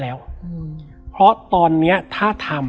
แล้วสักครั้งหนึ่งเขารู้สึกอึดอัดที่หน้าอก